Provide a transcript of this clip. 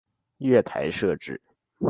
月台设置